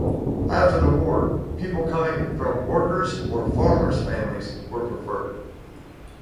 After the war people coming from workers' or farmers' families were preferred.